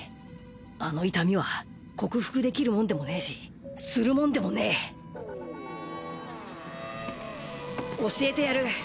あの痛みは克服できるもんでもねえしするもんでもねえ教えてやる。